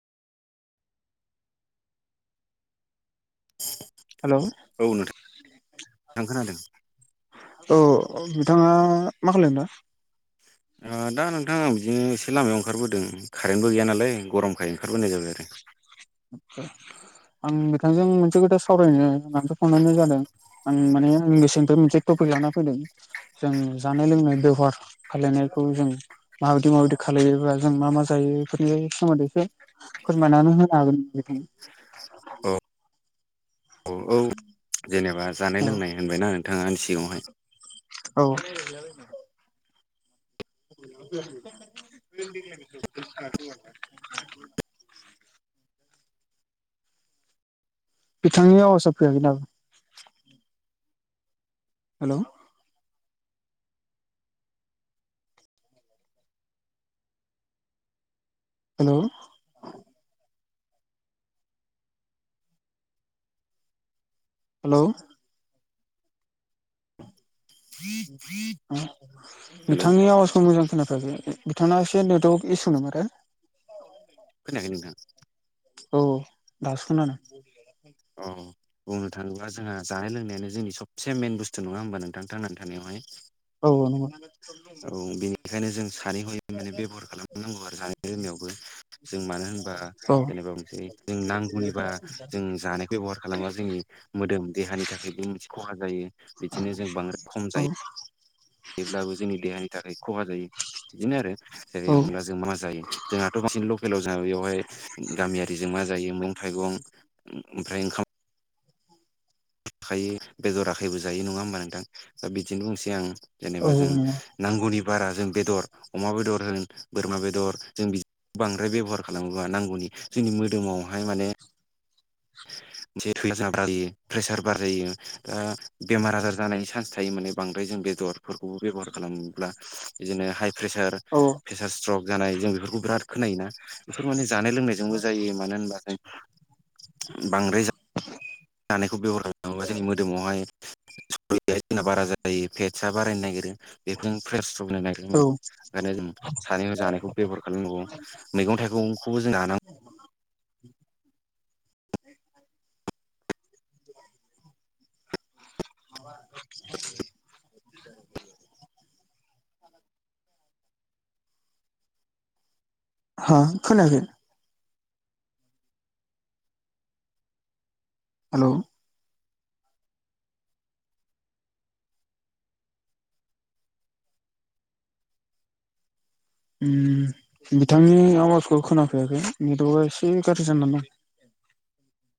Hello औ नोंथां आं खोनादों। औ नोंथाङा मा खालायदों दा? [inaudible] दा नोंथां आं बिदिनो एसे लामायाव ओंखारबोदों। कारेन्टबो गैया नालाय गरमखाय ओंखारबोनाय जाबाय आरो। आं बिथांजों मोनसे खोथा सावरायनो होननानैसो फन हरनाय जादों। आं माने मेसेंनिफ्राय मोनसे टफिक लाना फैदों। जों जानाय लोंनाय बेबहार खालायनायखौ जों माबायदि माबायदि खालामलायोबा जों मा मा जायो बेफोरनि सोमोन्दै एसे फोरमायनानै हो हागोन नोंथां। औ औ औ जेनेबा जानाय औ लोंनाय होनबायना नोंथाङा आंनि सिगाङाहाय। औ। [inaudible] बिथांनि आवाजाव फैयाखै दाबो। हेल'? हेल'? हेलौ? हेलौ बिथांनि आवाजखौ मोजां खोनाफैयाखै। बिथांना एसे नेटवर्क इसु नामाथाय। खोनायाखै नोंथां। औ औ दासो खोनादों। अह। बुंनो थाङोब्ला जोंहा जानाय लोंनायानो जोंनि सबसे मेन बुस्थु नङा होमबा नोंथां थांनानै थानायावहाय। औ औ नंगौ नोंथां। औ बेनिखायनो जों सानै हयै माने बेब'हार खालामनांगौ आरो जानाय लोंनायावबो। जों मानो होनबा औ जेनेबा मोनसेे जों नांगौनि बारा जों जानाय बेब'हार खालामबा जोंनि मोदोम देहानि थाखायबो मोनसे खहा जायो। बिदिनो जों बांद्राय खम औ जायो जेब्लाबो जोंनि देहानि थाखाय खहा जायो। बिदिनो आरो जेरै औ हमब्ला जों मा जायो? जोंहाथ' बिसिनि लकेलाव जों बेवहाय गामियारिजों मा जायो मैगं थाइगं ओमफ्राय ओंखाम आखायो बेदर आखायबो जायो नङा होमबा नोंथां दा बिदिनो बुंसै आं औ जेनेबा जों नंगौ नांगौनि बारा जों बेदर अमा बेदर होन बोरमा बेदर जों बि बांद्राय बेब'हार खालामोबा नांगौनि जोंनि मोदोमावहाय माने [unintelligible] प्रेसार बार जायो दा बेमार आजार जानायनि चान्स थायो माने बांद्राय जों बेदरफोरखौबो बेब'हार खालामोब्ला बिदिनो हाइ प्रेसार औ प्रेसार स्ट्रक जानाय जों बेफोरखौ बिराद खोनायोना बेफोर माने जानाय लोंनायजोंबो जायो मानो होनबा जों बांद्राय जानायखौ जों बेबहार खालामोब्ला मोदावहाय स जोंना बारा जायो फेटआ बारायनो नागिरो बेफोर फ्रेस्र होननो नागिरो औ ओंखायनो जों सानै जानायखौ बेब'हार खालामनांगौ मैगं थाइगंखौबो जों [unintelligible] [inaudible] हा खोनायाखै हेलौ उम बिथांनि आवाजखौ खोनाफैयाखै नेटवारर्कआ एसे गाज्रि जानानै दं